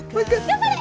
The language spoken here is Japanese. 頑張れ！